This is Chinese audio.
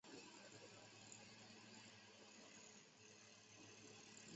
浙江乡试中举。